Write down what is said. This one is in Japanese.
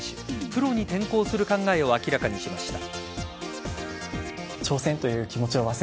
プロに転向する考えを明らかにしました。